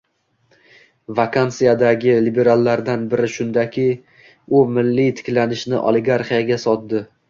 Vakansiyadagi liberallardan biri shundaki, u Milliy tiklanishni oligarxiyaga sotdi